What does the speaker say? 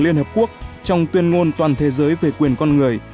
liên hợp quốc trong tuyên ngôn toàn thế giới về quyền con người